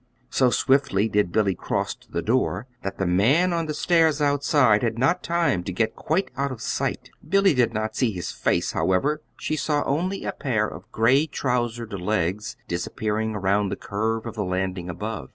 So swiftly did Billy cross to the door that the man on the stairs outside had not time to get quite out of sight. Billy did not see his face, however; she saw only a pair of gray trousered legs disappearing around the curve of the landing above.